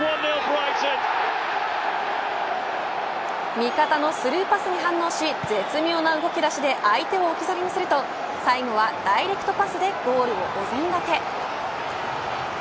味方のスルーパスに反応し絶妙な動き出しで相手を置き去りにすると最後はダイレクトパスでゴールをお膳立て。